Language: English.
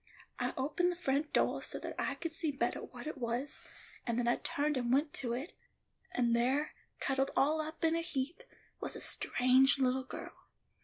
I opened the front doah so that I could see bettah what it was, and then I turned and went to it, and there, cuddled all up in a heap, was a strange little girl.